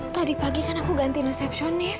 tadi pagi kan aku ganti resepsionis